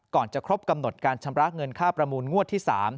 จะครบกำหนดการชำระเงินค่าประมูลงวดที่๓